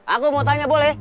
aku mau tanya boleh